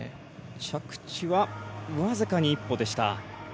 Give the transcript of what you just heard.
着地は僅かに１歩でした。